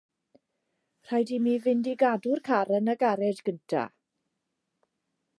Rhaid i mi fynd i gadw'r car yn y garej gyntaf.